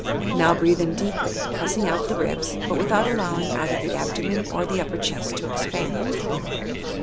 Now breathe in deeply, pressing out the ribs, but without allowing either the abdomen or the upper cheat to expand.